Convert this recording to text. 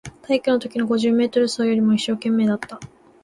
体育のときの五十メートル走よりも一生懸命だった